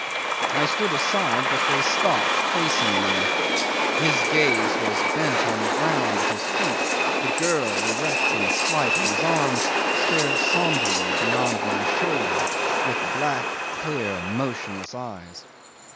I stood aside, but they stopped, facing me. His gaze was bent on the ground at his feet; the girl, erect and slight on his arm, stared sombrely beyond my shoulder with black, clear, motionless eyes.